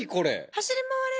走り回れる。